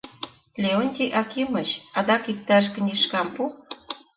Леонтий Акимыч, адак иктаж книжкам пу!